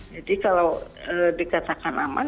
jadi kalau dikatakan aman ya tidak aman